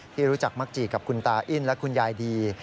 ที่รู้จักมักจีกับคุณตาอิ้นและคุณยายดี